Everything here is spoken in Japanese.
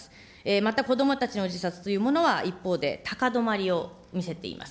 また、子どもたちの自殺というのは一方で高止まりを見せています。